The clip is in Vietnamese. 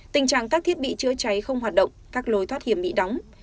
tình trạng các thiết bị chữa cháy không hoạt động các lối thoát hiểm bị đóng